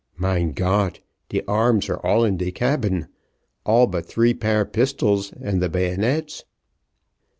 "Mein Gott! de arms are all in the cabin, all but three pair pistols and the bayonets."